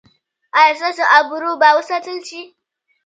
ایا ستاسو ابرو به وساتل شي؟